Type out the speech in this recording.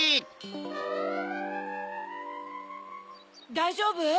だいじょうぶ？